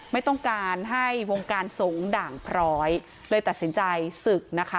ไม่ต้องการให้วงการสงฆ์ด่างพร้อยเลยตัดสินใจศึกนะคะ